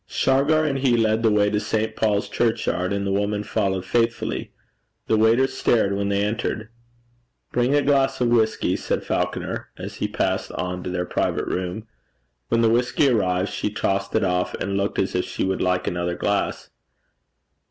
Shargar and he led the way to St. Paul's Churchyard, and the woman followed faithfully. The waiter stared when they entered. 'Bring a glass of whisky,' said Falconer, as he passed on to their private room. When the whisky arrived, she tossed it off, and looked as if she would like another glass.